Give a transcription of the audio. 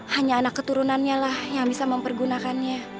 hanya anak keturunannya lah yang bisa mempergunakannya